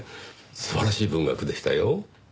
素晴らしい文学でしたよ。